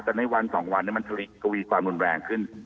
แต่ในวันสองวันมันสลิกกวีความรุนแรงขึ้น